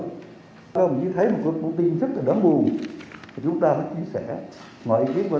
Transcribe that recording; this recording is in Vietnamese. chúng ta không chỉ thấy một cuộc tình rất đáng buồn chúng ta cũng chia sẻ